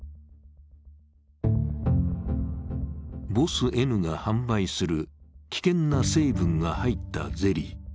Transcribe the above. ボスＮが販売する危険な成分が入ったゼリー。